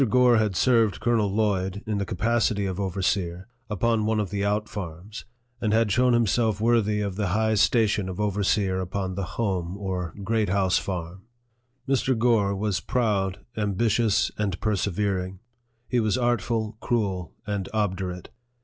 Gore had served Colonel Lloyd, in the capacity of overseer, upon one of the out farms, and had shown himself worthy of the high station of overseer upon the home or Great House Farm. Mr. Gore was proud, ambitious, and persevering. He was artful, cruel, and obdurate.